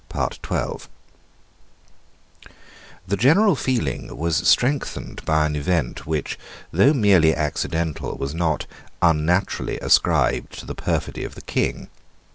The general feeling was strengthened by an event which, though merely accidental, was not unnaturally ascribed to the perfidy of the King.